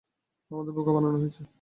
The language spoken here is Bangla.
আমাদের বোকা বানানো হয়েছে।